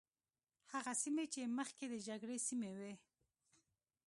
هغه سیمې چې مخکې د جګړې سیمې وي.